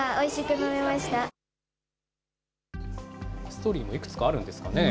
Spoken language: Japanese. ストーリーもいくつかあるんですかね。